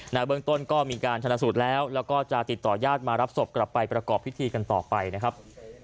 เบื้องต้นก็มีการชนะสูตรแล้วแล้วก็จะติดต่อญาติมารับศพกลับไปประกอบพิธีกันต่อไปนะครับ